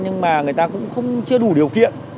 nhưng mà người ta cũng chưa đủ điều kiện